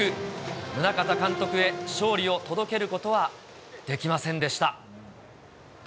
宗像監督へ勝利を届けることはできませんでした。